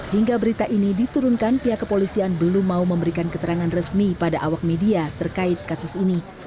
hingga berita ini diturunkan pihak kepolisian belum mau memberikan keterangan resmi pada awak media terkait kasus ini